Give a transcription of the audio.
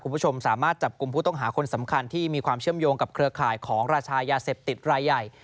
คุณผู้ชมสามารถจับกลุ่มผู้ต้องหาคนสำคัญที่มีความเชื่อมโยงกับเครือข่ายของราชายาเสพติดรายใหญ่